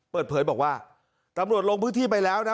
เปิดเผยบอกว่าตำรวจลงพื้นที่ไปแล้วนะ